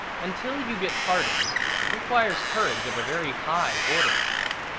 Until you get hardened, it requires courage of a very high order.